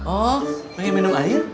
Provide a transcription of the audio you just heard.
oh pengen minum air